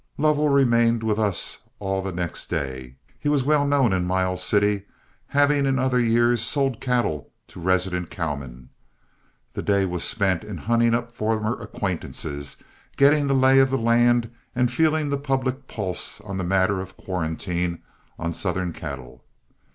Lovell remained with us all the next day. He was well known in Miles City, having in other years sold cattle to resident cowmen. The day was spent in hunting up former acquaintances, getting the lay of the land, and feeling the public pulse on the matter of quarantine on Southern cattle.